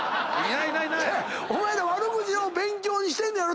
お前ら悪口を勉強にしてんねやろ？